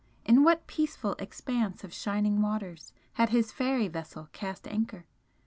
in what peaceful expanse of shining waters had his fairy vessel cast anchor?